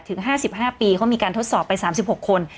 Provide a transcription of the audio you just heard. ถึง๕๕ปีเขามีการทดสอบไป๓๖คน